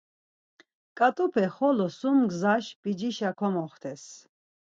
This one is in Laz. Ǩat̆upe xolo sum gzaş p̌icişa komoxtes.